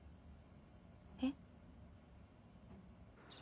えっ？